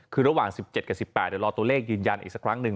คือระหว่าง๑๗กับ๑๘เดี๋ยวรอตัวเลขยืนยันอีกสักครั้งหนึ่ง